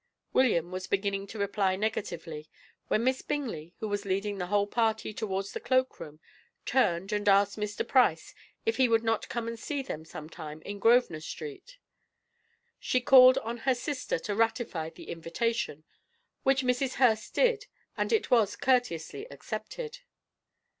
William was beginning to reply negatively, when Miss Bingley, who was leading the whole party towards the cloak room, turned and asked Mr. Price if he would not come and see them some time in Grosvenor Street. She called on her sister to ratify the invitation, which Mrs. Hurst did, and it was courteously accepted.